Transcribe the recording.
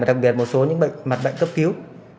đặc biệt một số mặt bệnh cấp cứu